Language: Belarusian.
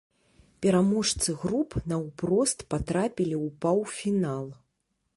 Пераможцы груп наўпрост патрапілі ў паўфінал.